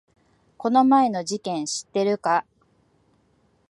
この前の事件知ってるか？